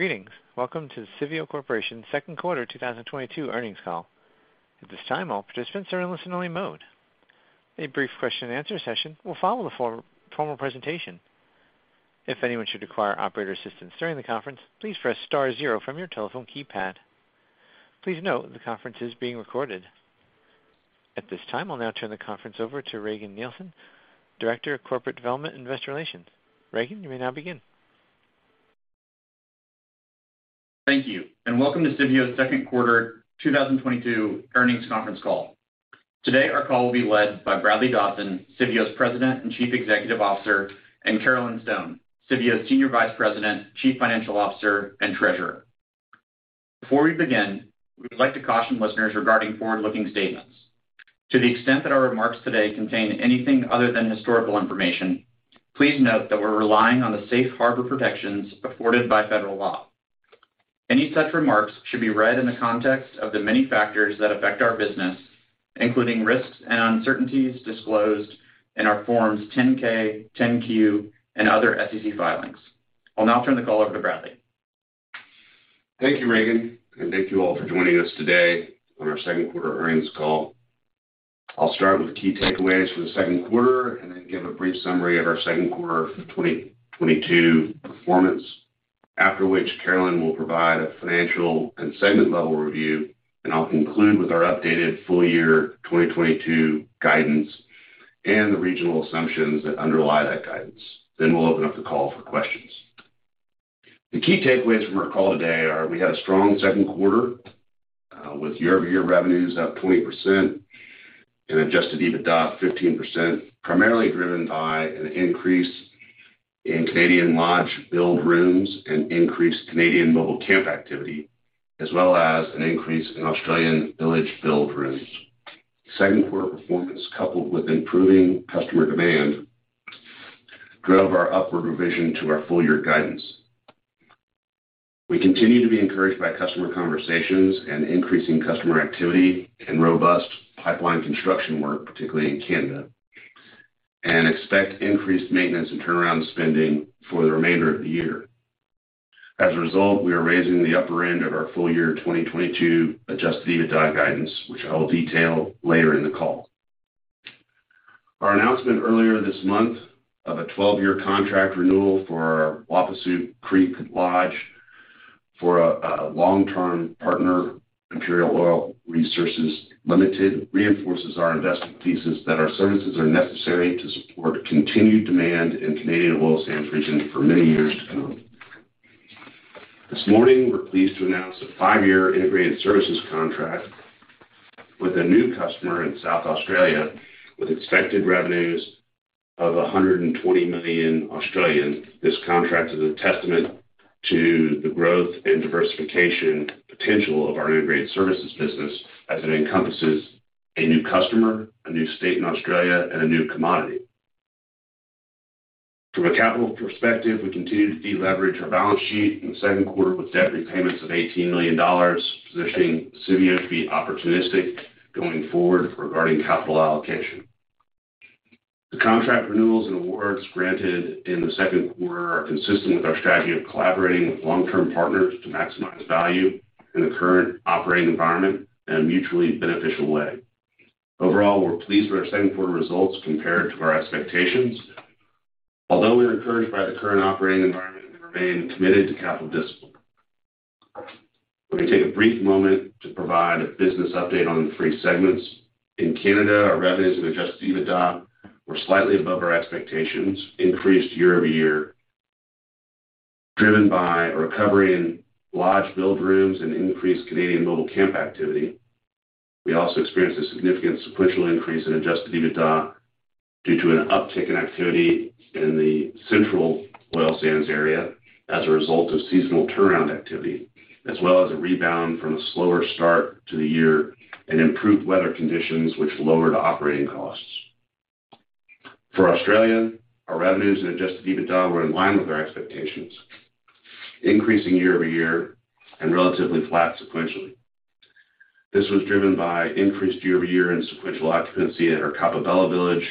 Greetings. Welcome to the Civeo Corporation second quarter 2022 earnings call. At this time, all participants are in listen-only mode. A brief question and answer session will follow the formal presentation. If anyone should require operator assistance during the conference, please press star zero from your telephone keypad. Please note the conference is being recorded. At this time, I'll now turn the conference over to Regan Nielsen, Director of Corporate Development and Investor Relations. Regan, you may now begin. Thank you, and welcome to Civeo's second quarter 2022 earnings conference call. Today, our call will be led by Bradley Dodson, Civeo's President and Chief Executive Officer, and Carolyn Stone, Civeo's Senior Vice President, Chief Financial Officer, and Treasurer. Before we begin, we would like to caution listeners regarding forward-looking statements. To the extent that our remarks today contain anything other than historical information, please note that we're relying on the safe harbor protections afforded by federal law. Any such remarks should be read in the context of the many factors that affect our business, including risks and uncertainties disclosed in our Forms 10-K, 10-Q and other SEC filings. I'll now turn the call over to Bradley. Thank you, Regan, and thank you all for joining us today on our second quarter earnings call. I'll start with the key takeaways for the second quarter and then give a brief summary of our second quarter 2022 performance. After which, Carolyn will provide a financial and segment level review, and I'll conclude with our updated full year 2022 guidance and the regional assumptions that underlie that guidance. Then we'll open up the call for questions. The key takeaways from our call today are we had a strong second quarter with year-over-year revenues up 20% and adjusted EBITDA 15%, primarily driven by an increase in Canadian lodge billed rooms and increased Canadian mobile camp activity, as well as an increase in Australian village billed rooms. Second quarter performance, coupled with improving customer demand, drove our upward revision to our full year guidance. We continue to be encouraged by customer conversations and increasing customer activity and robust pipeline construction work, particularly in Canada, and expect increased maintenance and turnaround spending for the remainder of the year. As a result, we are raising the upper end of our full year 2022 adjusted EBITDA guidance, which I will detail later in the call. Our announcement earlier this month of a 12-year contract renewal for our Wapasu Creek Lodge for a long-term partner, Imperial Oil Resources Limited, reinforces our investment thesis that our services are necessary to support continued demand in Canadian oil sands region for many years to come. This morning, we're pleased to announce a five-year integrated services contract with a new customer in South Australia with expected revenues of 120 million. This contract is a testament to the growth and diversification potential of our integrated services business as it encompasses a new customer, a new state in Australia, and a new commodity. From a capital perspective, we continue to deleverage our balance sheet in the second quarter with debt repayments of $18 million, positioning Civeo to be opportunistic going forward regarding capital allocation. The contract renewals and awards granted in the second quarter are consistent with our strategy of collaborating with long-term partners to maximize value in the current operating environment in a mutually beneficial way. Overall, we're pleased with our second quarter results compared to our expectations. Although we are encouraged by the current operating environment, we remain committed to capital discipline. We're gonna take a brief moment to provide a business update on the three segments. In Canada, our revenues and adjusted EBITDA were slightly above our expectations, increased year-over-year, driven by a recovery in lodge billed rooms and increased Canadian mobile camp activity. We also experienced a significant sequential increase in adjusted EBITDA due to an uptick in activity in the central oil sands area as a result of seasonal turnaround activity, as well as a rebound from a slower start to the year and improved weather conditions which lowered operating costs. For Australia, our revenues and adjusted EBITDA were in line with our expectations, increasing year-over-year and relatively flat sequentially. This was driven by increased year-over-year and sequential occupancy at our Coppabella Village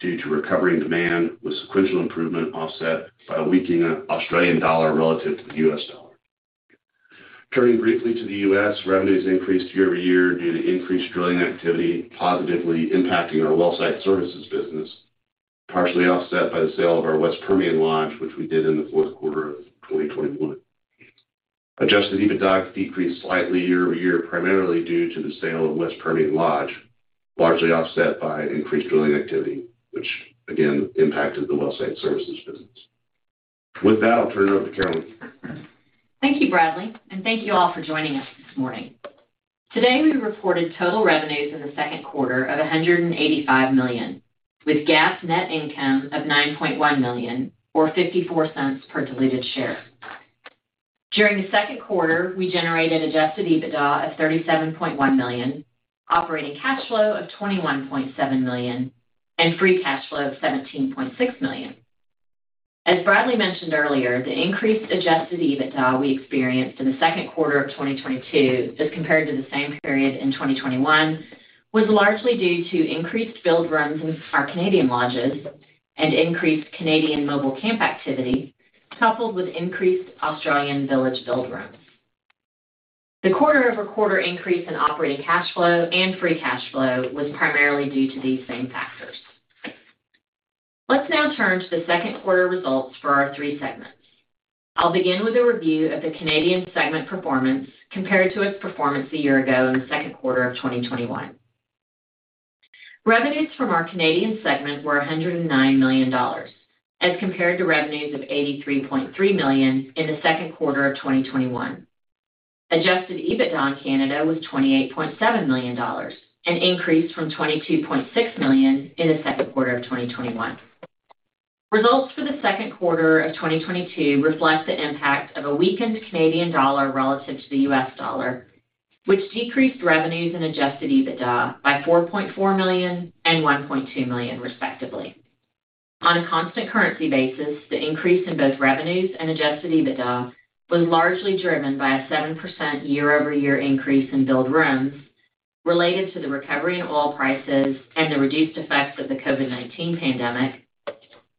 due to recovering demand, with sequential improvement offset by a weakening Australian dollar relative to the US dollar. Turning briefly to the U.S., revenues increased year-over-year due to increased drilling activity positively impacting our well site services business, partially offset by the sale of our West Permian Lodge, which we did in the fourth quarter of 2021. Adjusted EBITDA decreased slightly year-over-year, primarily due to the sale of West Permian Lodge, largely offset by increased drilling activity, which again impacted the well site services business. With that, I'll turn it over to Carolyn. Thank you, Bradley, and thank you all for joining us this morning. Today, we reported total revenues in the second quarter of $185 million, with GAAP net income of $9.1 million or $0.54 per diluted share. During the second quarter, we generated adjusted EBITDA of $37.1 million, operating cash flow of $21.7 million, and free cash flow of $17.6 million. As Bradley mentioned earlier, the increased adjusted EBITDA we experienced in the second quarter of 2022 as compared to the same period in 2021 was largely due to increased billed rooms in our Canadian lodges and increased Canadian mobile camp activity, coupled with increased Australian village billed rooms. The quarter-over-quarter increase in operating cash flow and free cash flow was primarily due to these same factors. Let's now turn to the second quarter results for our three segments. I'll begin with a review of the Canadian segment performance compared to its performance a year ago in the second quarter of 2021. Revenues from our Canadian segment were $109 million, as compared to revenues of $83.3 million in the second quarter of 2021. Adjusted EBITDA in Canada was $28.7 million, an increase from $22.6 million in the second quarter of 2021. Results for the second quarter of 2022 reflect the impact of a weakened Canadian dollar relative to the U.S.$, which decreased revenues and adjusted EBITDA by $4.4 million and $1.2 million, respectively. On a constant currency basis, the increase in both revenues and adjusted EBITDA was largely driven by a 7% year-over-year increase in billed rooms related to the recovery in oil prices and the reduced effects of the COVID-19 pandemic,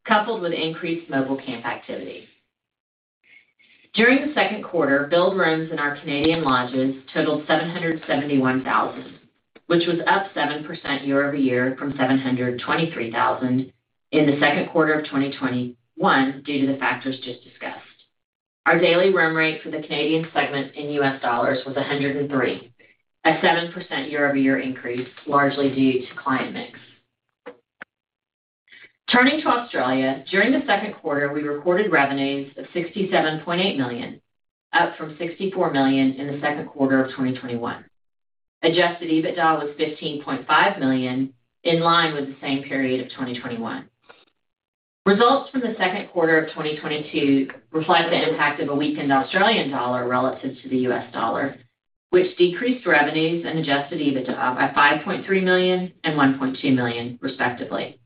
coupled with increased mobile camp activity. During the second quarter, billed rooms in our Canadian lodges totaled 771,000, which was up 7% year-over-year from 723,000 in the second quarter of 2021 due to the factors just discussed. Our daily room rate for the Canadian segment in US dollars was $103, a 7% year-over-year increase, largely due to client mix. Turning to Australia, during the second quarter, we recorded revenues of $67.8 million, up from $64 million in the second quarter of 2021. Adjusted EBITDA was $15.5 million, in line with the same period of 2021. Results from the second quarter of 2022 reflect the impact of a weakened Australian dollar relative to the U.S.$, which decreased revenues and adjusted EBITDA by $5.3 million and $1.2 million, respectively.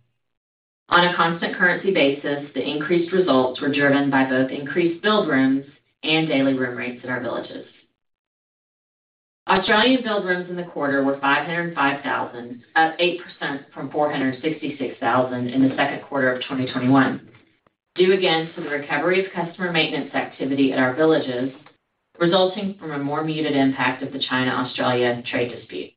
On a constant currency basis, the increased results were driven by both increased billed rooms and daily room rates at our villages. Australian billed rooms in the quarter were 505,000, up 8% from 466,000 in the second quarter of 2021, due again to the recovery of customer maintenance activity at our villages resulting from a more muted impact of the China-Australia trade dispute.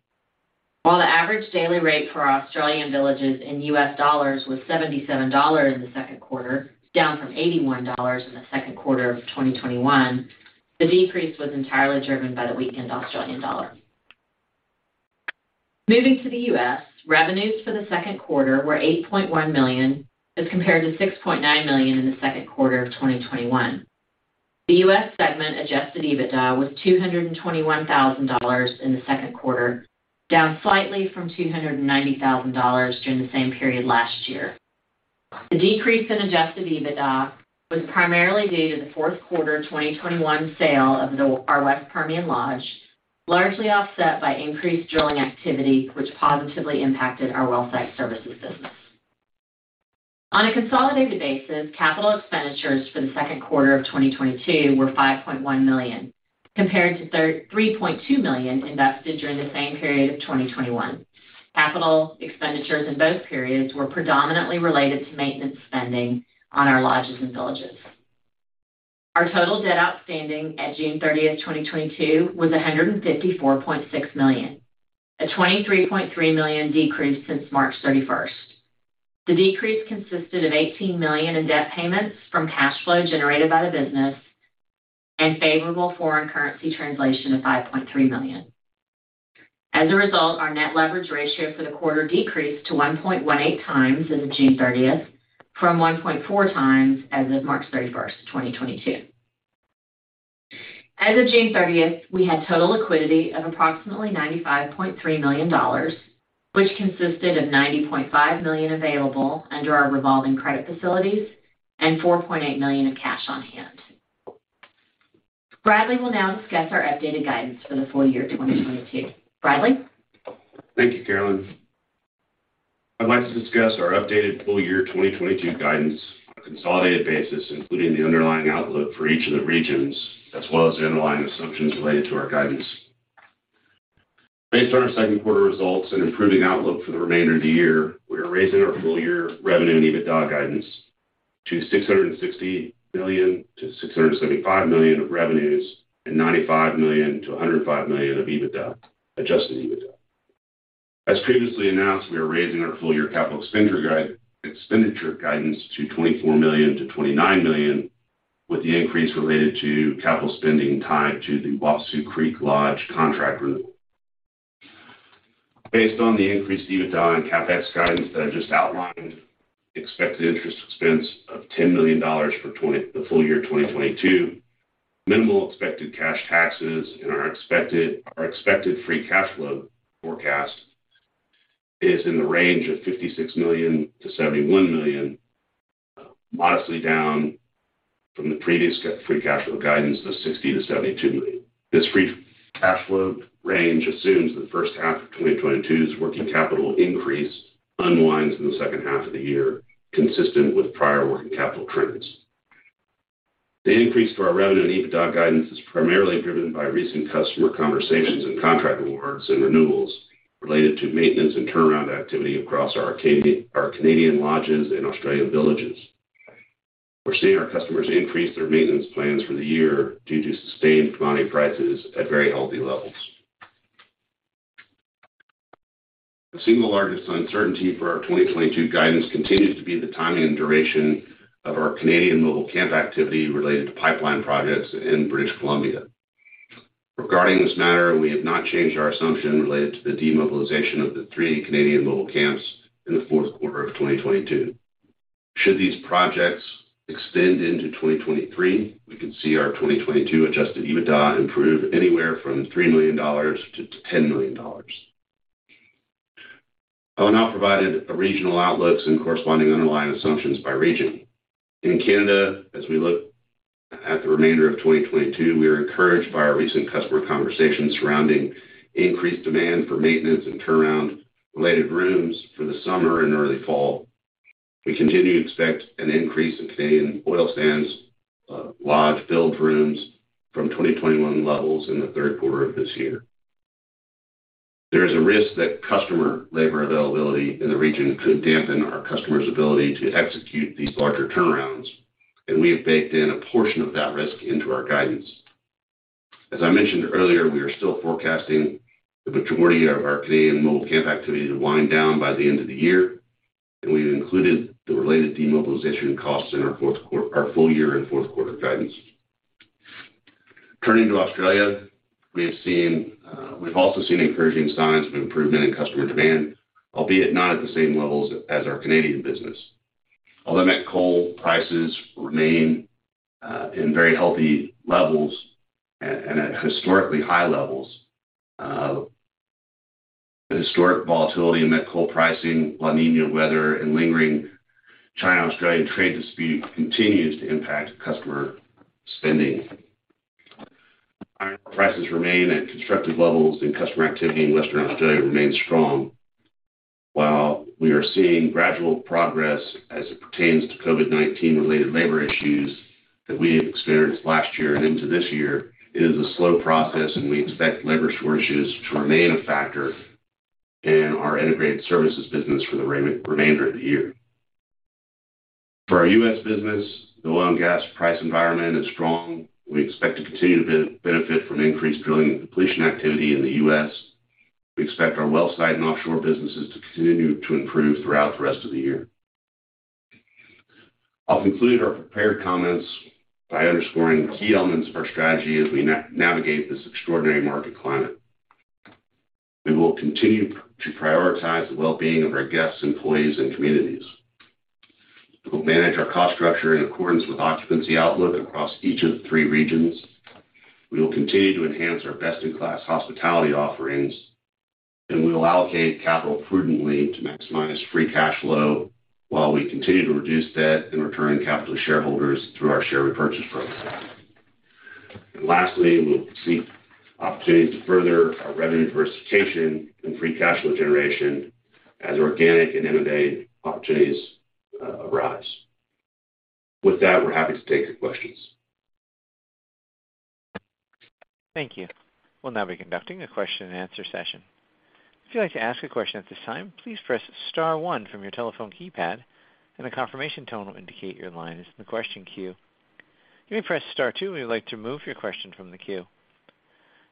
While the average daily rate for our Australian villages in U.S.$ was $77 in the second quarter, down from $81 in the second quarter of 2021, the decrease was entirely driven by the weakened Australian dollar. Moving to the U.S., revenues for the second quarter were $8.1 million, as compared to $6.9 million in the second quarter of 2021. The US segment adjusted EBITDA was $221,000 in the second quarter, down slightly from $290,000 during the same period last year. The decrease in adjusted EBITDA was primarily due to the fourth quarter 2021 sale of our West Permian Lodge, largely offset by increased drilling activity, which positively impacted our well site services business. On a consolidated basis, capital expenditures for the second quarter of 2022 were $5.1 million, compared to three point two million invested during the same period of 2021. Capital expenditures in both periods were predominantly related to maintenance spending on our lodges and villages. Our total debt outstanding at June 30th, 2022 was $154.6 million, a $23.3 million decrease since March 31st. The decrease consisted of $18 million in debt payments from cash flow generated by the business and favorable foreign currency translation of $5.3 million. As a result, our net leverage ratio for the quarter decreased to 1.18x as of June 30th from 1.4x as of March 31st, 2022. As of June 30th, we had total liquidity of approximately $95.3 million, which consisted of $90.5 million available under our revolving credit facilities and $4.8 million of cash on hand. Bradley will now discuss our updated guidance for the full year 2022. Bradley? Thank you, Carolyn. I'd like to discuss our updated full year 2022 guidance on a consolidated basis, including the underlying outlook for each of the regions, as well as the underlying assumptions related to our guidance. Based on our second quarter results and improving outlook for the remainder of the year, we are raising our full year revenue and EBITDA guidance to $660 million-$675 million of revenues and $95 million-$105 million of adjusted EBITDA. As previously announced, we are raising our full year capital expenditure guidance to $24 million-$29 million, with the increase related to capital spending tied to the Wapasu Creek Lodge contract renewal. Based on the increased EBITDA and CapEx guidance that I just outlined, expected interest expense of $10 million for the full year 2022, minimal expected cash taxes and our expected free cash flow forecast is in the range of $56 million-$71 million, modestly down from the previous free cash flow guidance of $60 million-$72 million. This free cash flow range assumes the first half of 2022's working capital increase unwinds in the second half of the year, consistent with prior working capital trends. The increase to our revenue and EBITDA guidance is primarily driven by recent customer conversations and contract awards and renewals related to maintenance and turnaround activity across our Canadian lodges and Australian villages. We're seeing our customers increase their maintenance plans for the year due to sustained commodity prices at very healthy levels. The single largest uncertainty for our 2022 guidance continues to be the timing and duration of our Canadian mobile camp activity related to pipeline projects in British Columbia. Regarding this matter, we have not changed our assumption related to the demobilization of the three Canadian mobile camps in the fourth quarter of 2022. Should these projects extend into 2023, we could see our 2022 adjusted EBITDA improve anywhere from $3 million-$10 million. I will now provide regional outlooks and corresponding underlying assumptions by region. In Canada, as we look at the remainder of 2022, we are encouraged by our recent customer conversations surrounding increased demand for maintenance and turnaround-related rooms for the summer and early fall. We continue to expect an increase in Canadian oil sands lodge-filled rooms from 2021 levels in the third quarter of this year. There is a risk that customer labor availability in the region could dampen our customers' ability to execute these larger turnarounds, and we have baked in a portion of that risk into our guidance. As I mentioned earlier, we are still forecasting the majority of our Canadian mobile camp activity to wind down by the end of the year, and we've included the related demobilization costs in our full year and fourth quarter guidance. Turning to Australia, we've also seen encouraging signs of improvement in customer demand, albeit not at the same levels as our Canadian business. Although met coal prices remain in very healthy levels and at historically high levels, the historic volatility in met coal pricing, La Niña weather, and lingering China-Australia trade dispute continues to impact customer spending. Iron ore prices remain at constructive levels, and customer activity in Western Australia remains strong. While we are seeing gradual progress as it pertains to COVID-19 related labor issues that we had experienced last year and into this year, it is a slow process, and we expect labor shortages to remain a factor in our integrated services business for the remainder of the year. For our U.S. business, the oil and gas price environment is strong. We expect to continue to benefit from increased drilling and completion activity in the U.S. We expect our well site and offshore businesses to continue to improve throughout the rest of the year. I'll conclude our prepared comments by underscoring key elements of our strategy as we navigate this extraordinary market climate. We will continue to prioritize the well-being of our guests, employees, and communities. We'll manage our cost structure in accordance with occupancy outlook across each of the three regions. We will continue to enhance our best-in-class hospitality offerings, and we will allocate capital prudently to maximize free cash flow while we continue to reduce debt and return capital to shareholders through our share repurchase program. Lastly, we will seek opportunities to further our revenue diversification and free cash flow generation as organic and M&A opportunities arise. With that, we're happy to take your questions. Thank you. We'll now be conducting a question and answer session. If you'd like to ask a question at this time, please press star one from your telephone keypad, and a confirmation tone will indicate your line is in the question queue. You may press star two if you would like to remove your question from the queue.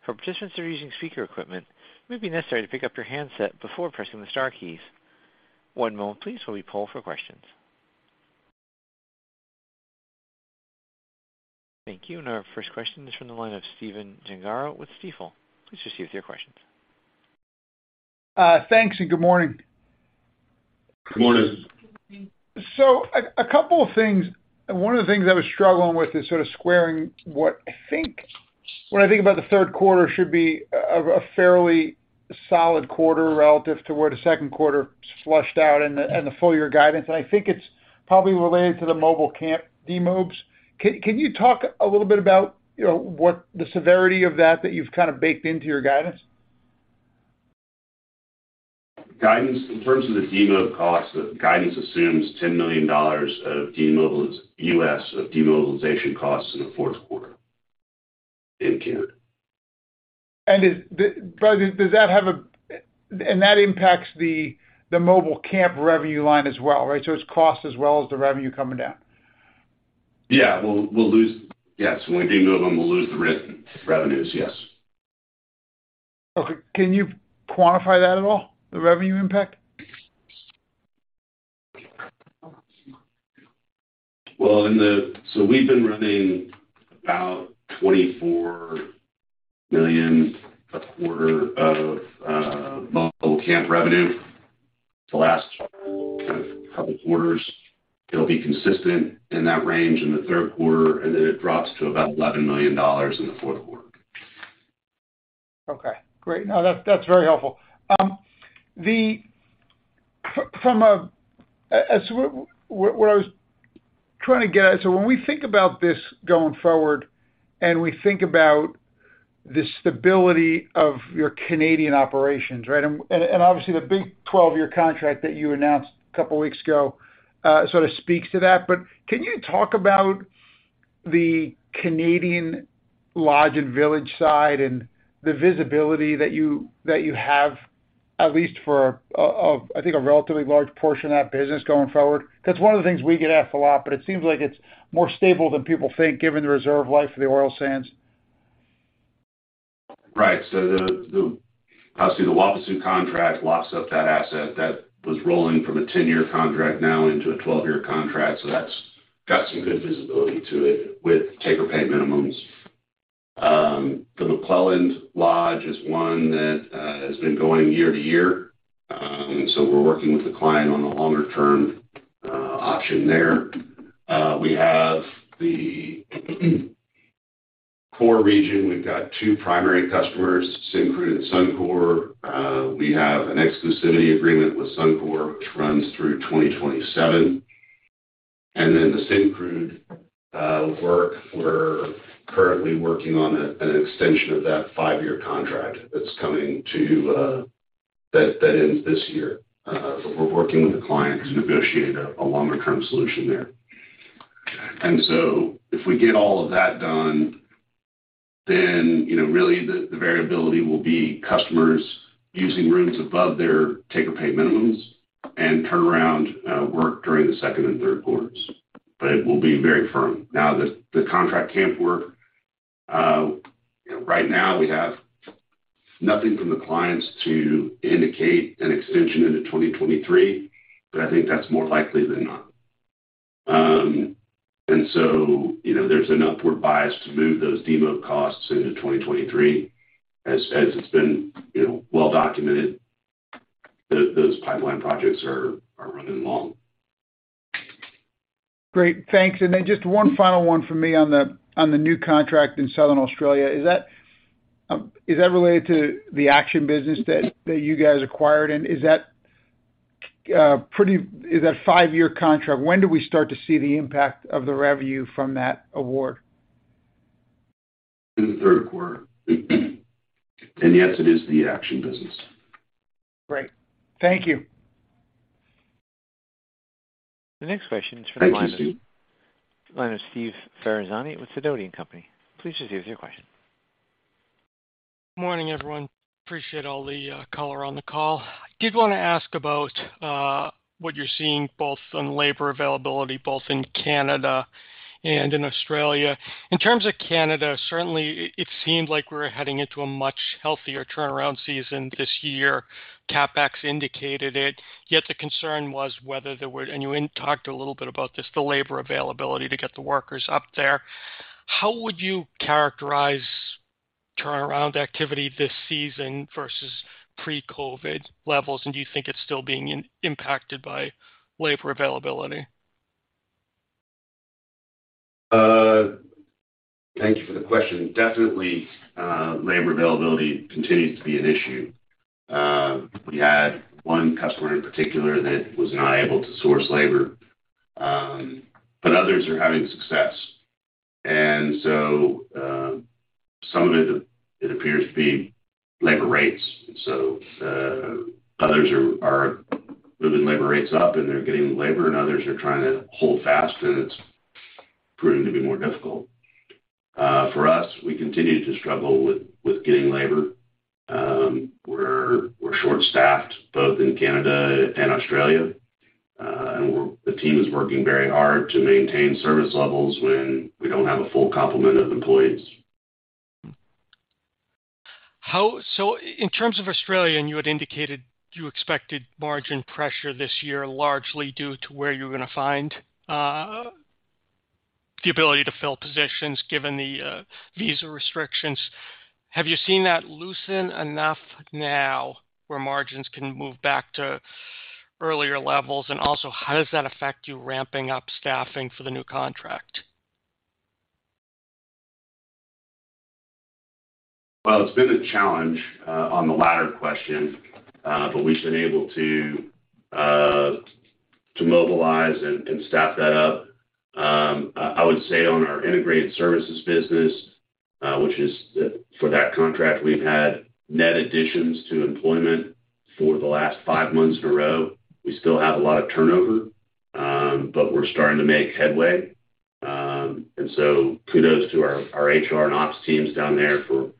For participants that are using speaker equipment, it may be necessary to pick up your handset before pressing the star keys. One moment please while we poll for questions. Thank you. Our first question is from the line of Stephen Gengaro with Stifel. Please proceed with your questions. Thanks, and good morning. Good morning. Good morning. A couple of things. One of the things I was struggling with is sort of squaring what I think when I think about the third quarter should be a fairly solid quarter relative to where the second quarter fleshed out and the full year guidance. I think it's probably related to the mobile camp demobes. Can you talk a little bit about, you know, what the severity of that you've kind of baked into your guidance? Guidance. In terms of the demob costs, the guidance assumes $10 million of U.S. demobilization costs in the fourth quarter in Canada. That impacts the mobile camp revenue line as well, right? It's cost as well as the revenue coming down. Yeah. We'll lose. Yes. When we demob them, we'll lose the revenues. Yes. Okay. Can you quantify that at all, the revenue impact? Well, we've been running about $24 million a quarter of mobile camp revenue the last kind of couple quarters. It'll be consistent in that range in the third quarter, and then it drops to about $11 million in the fourth quarter. Okay, great. No, that's very helpful. What I was trying to get at, when we think about this going forward and we think about the stability of your Canadian operations, right? Obviously, the big 12-year contract that you announced a couple of weeks ago, sort of speaks to that. Can you talk about the Canadian lodge and village side and the visibility that you have at least for, I think a relatively large portion of that business going forward? Because one of the things we get asked a lot, but it seems like it's more stable than people think, given the reserve life of the oil sands. Right. Obviously, the Wapasu contract locks up that asset that was rolling from a 10-year contract now into a 12-year contract. That's got some good visibility to it with take-or-pay minimums. The McClelland Lodge is one that has been going year to year. We're working with the client on a longer-term option there. We have the core region. We've got two primary customers, Syncrude and Suncor. We have an exclusivity agreement with Suncor, which runs through 2027. Then the Syncrude work, we're currently working on an extension of that 5-year contract that ends this year. We're working with the client to negotiate a longer-term solution there. If we get all of that done, then, you know, really the variability will be customers using rooms above their take-or-pay minimums and turnaround work during the second and third quarters. It will be very firm. The contract camp work right now, we have nothing from the clients to indicate an extension into 2023, but I think that's more likely than not. You know, there's an upward bias to move those demob costs into 2023. As it's been, you know, well documented, those pipeline projects are running long. Great. Thanks. Then just one final one for me on the new contract in South Australia. Is that related to the Action business that you guys acquired? Is that a five-year contract? When do we start to see the impact of the revenue from that award? In the third quarter. Yes, it is the Action business. Great. Thank you. The next question is from the line of- Thank you, Steve. Line of Steve Ferazani with Sidoti & Company. Please just ask your question. Morning, everyone. Appreciate all the color on the call. I did want to ask about what you're seeing both on labor availability, both in Canada and in Australia. In terms of Canada, certainly it seemed like we were heading into a much healthier turnaround season this year. CapEx indicated it, yet the concern was whether there were, and you talked a little bit about this, the labor availability to get the workers up there. How would you characterize turnaround activity this season versus pre-COVID levels? Do you think it's still being impacted by labor availability? Thank you for the question. Definitely, labor availability continues to be an issue. We had one customer in particular that was not able to source labor, but others are having success. Some of it appears to be labor rates. Others are moving labor rates up, and they're getting labor, and others are trying to hold fast, and it's proving to be more difficult. For us, we continue to struggle with getting labor. We're short-staffed both in Canada and Australia. The team is working very hard to maintain service levels when we don't have a full complement of employees. In terms of Australia, and you had indicated you expected margin pressure this year, largely due to where you're gonna find the ability to fill positions given the visa restrictions. Have you seen that loosen enough now where margins can move back to earlier levels? Also, how does that affect you ramping up staffing for the new contract? Well, it's been a challenge on the latter question, but we've been able to mobilize and staff that up. I would say on our integrated services business, which is for that contract, we've had net additions to employment for the last five months in a row. We still have a lot of turnover, but we're starting to make headway. Kudos to our HR and ops teams down there for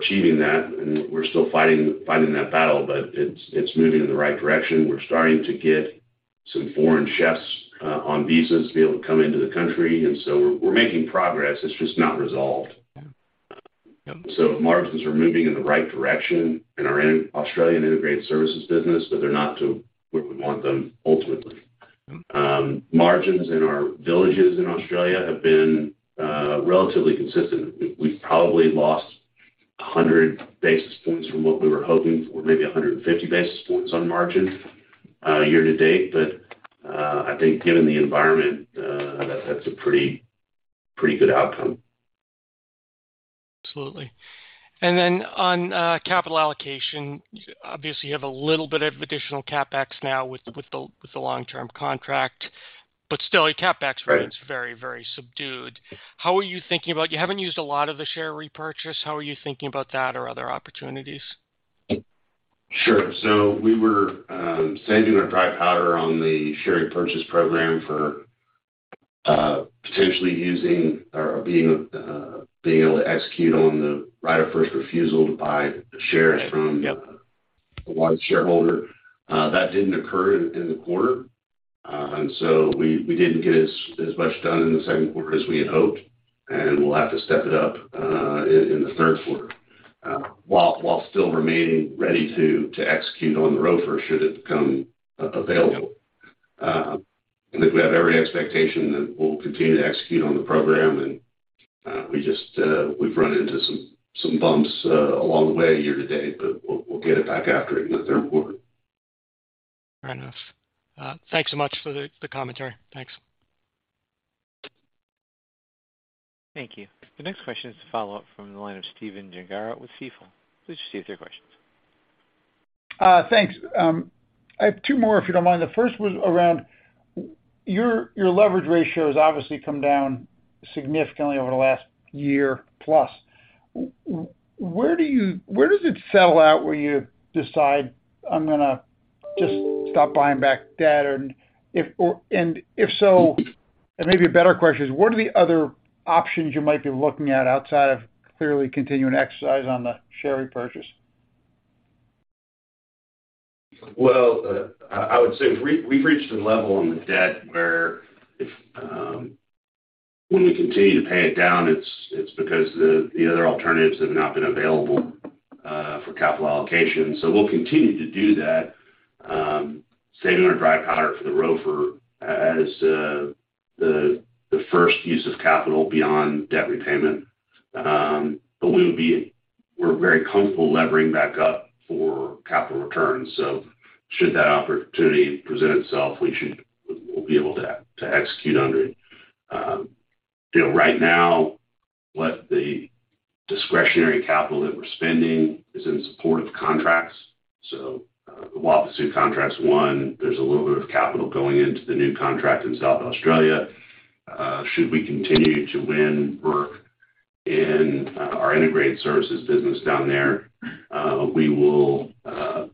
achieving that. We're still fighting that battle, but it's moving in the right direction. We're starting to get some foreign chefs on visas to be able to come into the country, and so we're making progress. It's just not resolved. Yeah. Margins are moving in the right direction in our Australian integrated services business, but they're not to where we want them ultimately. Margins in our villages in Australia have been relatively consistent. We've probably lost 100 basis points from what we were hoping for, maybe 150 basis points on margin year to date. I think given the environment, that's a pretty good outcome. Absolutely. On capital allocation, obviously, you have a little bit of additional CapEx now with the long-term contract, but still your CapEx Right. Remains very, very subdued. How are you thinking about you haven't used a lot of the share repurchase. How are you thinking about that or other opportunities? Sure. We were saving our dry powder on the share repurchase program for potentially using or being able to execute on the right of first refusal to buy shares from- Yep. One shareholder. That didn't occur in the quarter. We didn't get as much done in the second quarter as we had hoped, and we'll have to step it up in the third quarter while still remaining ready to execute on the ROFR should it become available. I think we have every expectation that we'll continue to execute on the program and we've run into some bumps along the way year to date, but we'll get it back after it in the third quarter. All right. Thanks so much for the commentary. Thanks. Thank you. The next question is a follow-up from the line of Stephen Gengaro with Stifel. Please state your questions. Thanks. I have two more, if you don't mind. The first was around your leverage ratio has obviously come down significantly over the last year+. Where does it settle out where you decide, I'm gonna just stop buying back shares? And if so, and maybe a better question is, what are the other options you might be looking at outside of clearly continuing to exercise on the share repurchase? I would say we've reached a level on the debt where when we continue to pay it down, it's because the other alternatives have not been available for capital allocation. We'll continue to do that, saving our dry powder for the ROFR as the first use of capital beyond debt repayment. We're very comfortable levering back up for capital returns. Should that opportunity present itself, we'll be able to execute under it. You know, right now, what the discretionary capital that we're spending is in support of contracts. The Wapasu contracts won. There's a little bit of capital going into the new contract in South Australia. Should we continue to win work in our integrated services business down there, we will,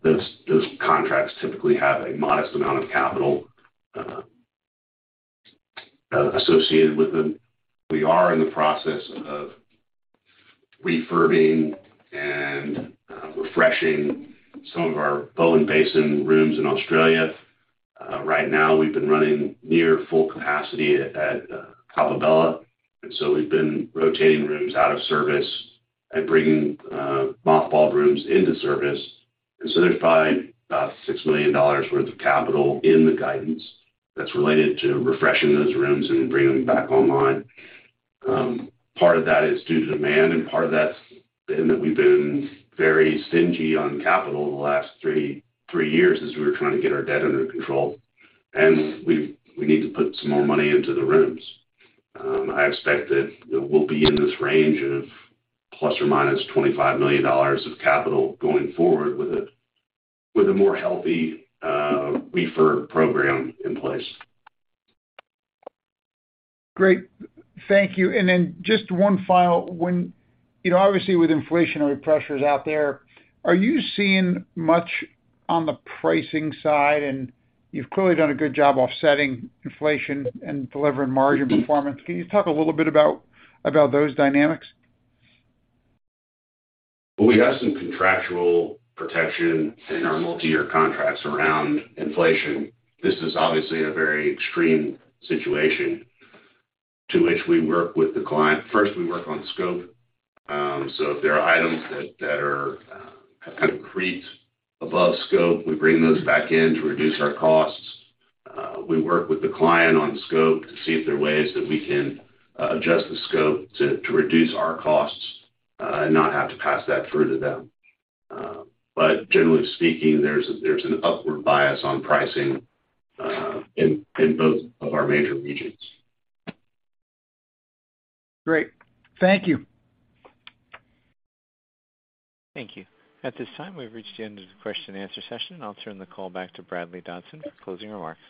those contracts typically have a modest amount of capital associated with them. We are in the process of refurbing and refreshing some of our Bowen Basin rooms in Australia. Right now, we've been running near full capacity at Coppabella, and so we've been rotating rooms out of service and bringing mothballed rooms into service. There's probably about $6 million worth of capital in the guidance that's related to refreshing those rooms and bringing them back online. Part of that is due to demand, and part of that's been that we've been very stingy on capital the last three years as we were trying to get our debt under control, and we need to put some more money into the rooms. I expect that, you know, we'll be in this range of ±$25 million of capital going forward with a more healthy ROFR program in place. Great. Thank you. Just one final. You know, obviously, with inflationary pressures out there, are you seeing much on the pricing side? You've clearly done a good job offsetting inflation and delivering margin performance. Can you talk a little bit about those dynamics? Well, we have some contractual protection in our multi-year contracts around inflation. This is obviously a very extreme situation in which we work with the client. First, we work on scope. If there are items that have kind of crept above scope, we bring those back in to reduce our costs. We work with the client on scope to see if there are ways that we can adjust the scope to reduce our costs and not have to pass that through to them. Generally speaking, there's an upward bias on pricing in both of our major regions. Great. Thank you. Thank you. At this time, we've reached the end of the question and answer session. I'll turn the call back to Bradley Dodson for closing remarks.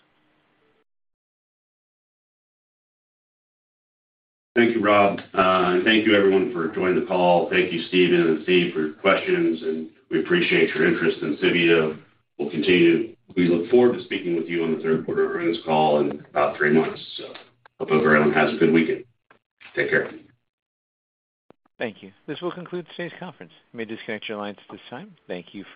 Thank you, Rob. Thank you everyone for joining the call. Thank you, Stephen and Steve, for your questions, and we appreciate your interest in Civeo. We look forward to speaking with you on the third quarter earnings call in about three months. Hope everyone has a good weekend. Take care. Thank you. This will conclude today's conference. You may disconnect your lines at this time. Thank you for your